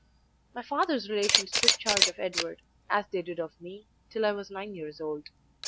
"My father's relations took charge of Edward, as they did of me, till I was nine years old.